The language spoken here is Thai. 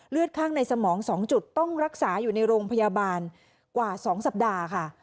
ข้างในสมอง๒จุดต้องรักษาอยู่ในโรงพยาบาลกว่า๒สัปดาห์ค่ะ